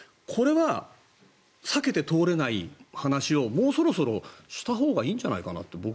これは避けて通れない話をもうそろそろしたほうがいいんじゃないかなって